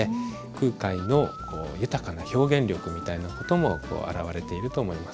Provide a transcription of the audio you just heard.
空海の豊かな表現力みたいな事も表れていると思います。